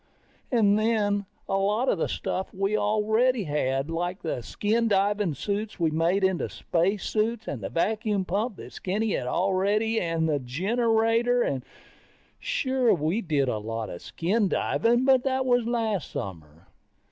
And then, a lot of the stuff we already had. Like the skin diving suits we made into spacesuits and the vacuum pump that Skinny had already and the generator. Sure, we did a lot of skin diving, but that was last summer.